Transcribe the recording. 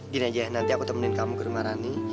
gini aja nanti aku temenin kamu ke rumah rani